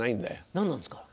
何なんですか？